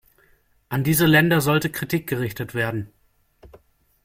An diese Länder sollte Kritik gerichtet werden.